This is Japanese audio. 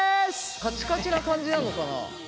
カチカチな感じなのかな。